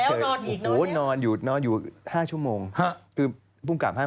ตบเลยนะอีโน่ไงมันมาบอก